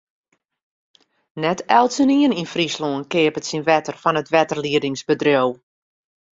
Net eltsenien yn Fryslân keapet syn wetter fan it wetterliedingbedriuw.